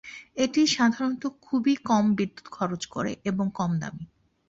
এটি সাধারণত খুবই কম বিদ্যুত খরচ করে এবং কম দামি।